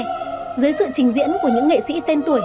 dưới sự trình diễn của những nghệ sĩ tên tuổi